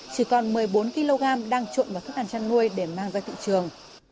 chỉ còn một mươi bốn kg đang trộn vào thức ăn chăn nuôi để mang ra thị trường